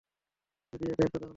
যদিও এটা একটা দারুণ প্রতিভা।